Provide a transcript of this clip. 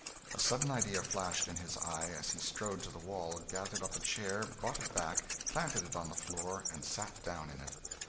A sudden idea flashed in his eye, and he strode to the wall, gathered up a chair, brought it back, planted it on the floor, and sat down in it!